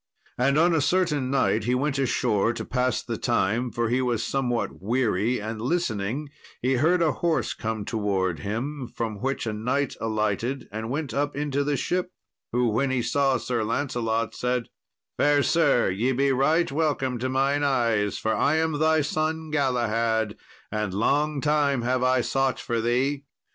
And on a certain night he went ashore to pass the time, for he was somewhat weary, and, listening, he heard a horse come towards him, from which a knight alighted and went up into the ship; who, when he saw Sir Lancelot, said, "Fair sir, ye be right welcome to mine eyes, for I am thy son Galahad, and long time I have sought for thee."